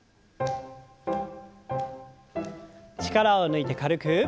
力を抜いて軽く。